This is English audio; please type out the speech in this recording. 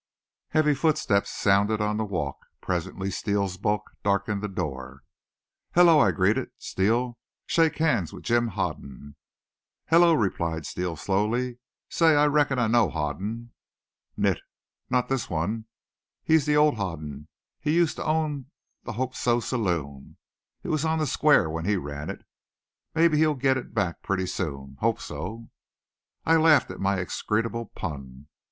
Heavy footsteps sounded on the walk. Presently Steele's bulk darkened the door. "Hello," I greeted. "Steele, shake hands with Jim Hoden." "Hello," replied Steele slowly. "Say, I reckon I know Hoden." "Nit. Not this one. He's the old Hoden. He used to own the Hope So saloon. It was on the square when he ran it. Maybe he'll get it back pretty soon. Hope so!" I laughed at my execrable pun.